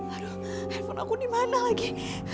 aduh handphone aku dimana lagi